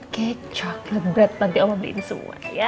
kek coklat bread nanti om bingung semua ya